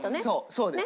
そうです！